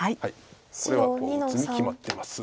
これはこう打つに決まってます。